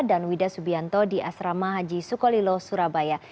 dan wida subianto di asrama haji sukolilo surabaya